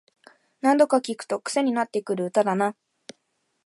何度か聴くとクセになってくる歌だな